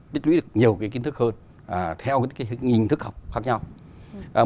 tích quý được nhiều cái kiến thức hơn theo những cái hình thức học khác nhau